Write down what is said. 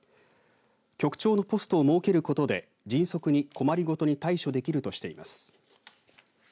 局長のポストを設けることで迅速に困り事に対処できるとしています。